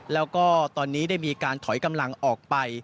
แล้วก็ตอนนี้ได้มีการถอยกำลังออกไป